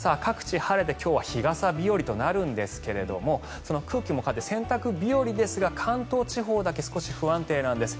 今日は各地晴れて日傘日和となるんですがその空気が変わって洗濯日和ですが関東地方だけ少し不安定なんです。